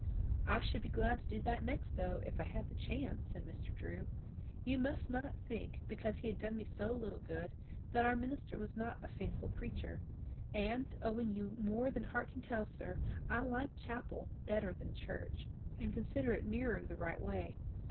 "I should be glad to do that next though, if I had the chance," said Mr. Drew. "You must not think, because he has done me so little good, that our minister is not a faithful preacher; and, owing you more than heart can tell, sir, I like chapel better than church, and consider it nearer the right way.